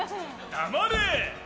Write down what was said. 黙れ！